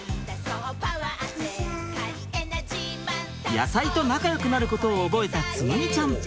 野菜と仲よくなることを覚えた紬ちゃん。